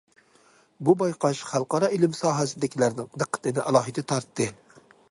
بۇ بايقاش خەلقئارا ئىلىم ساھەسىدىكىلەرنىڭ دىققىتىنى ئالاھىدە تارتتى.